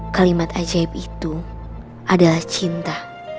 kalimat ajaib itu adalah cinta